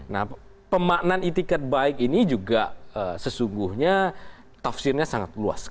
nah pemaknan itikat baik ini juga sesungguhnya tafsirnya sangat luas